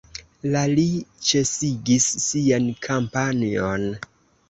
La li ĉesigis sian kampanjon.